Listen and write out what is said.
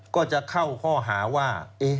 ก็จะเข้าข้อหาว่า